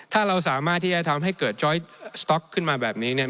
ถ้าเราสามารถที่จะทำให้เกิดจ้อยสต๊อกขึ้นมาแบบนี้เนี่ย